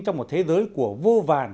trong một thế giới của vô vàn